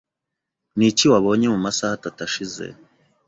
Niki wabonye mu masaha atatu ashize?